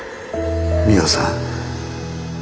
ミワさん。